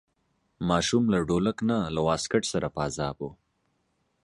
ماشوم له ډولک نه له واسکټ سره په عذاب و.